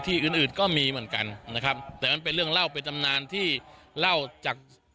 อื่นอื่นก็มีเหมือนกันนะครับแต่มันเป็นเรื่องเล่าเป็นตำนานที่เล่าจาก